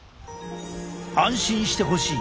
安心してほしい。